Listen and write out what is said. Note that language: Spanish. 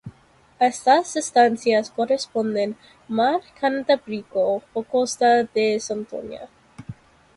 A estas estancias corresponden "Mar Cantábrico" o "Costa de Santoña".